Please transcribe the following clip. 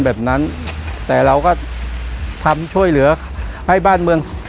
แบบนั้นแต่เราก็ทำช่วยเหลือให้บ้านเมืองสะอาดน่ะครับ